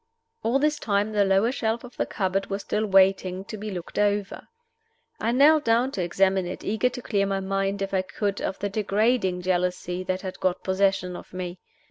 All this time the lower shelf of the cupboard was still waiting to be looked over. I knelt down to examine it, eager to clear my mind, if I could, of the degrading jealousy that had got possession of me.